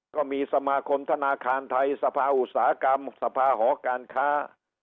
ก็มีสมาคมธนาคารไทยสภาอุตสาหกรรมสภาหอการค้า